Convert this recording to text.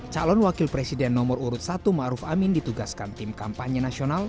calon wakil presiden nomor urut satu ⁇ maruf ⁇ amin ditugaskan tim kampanye nasional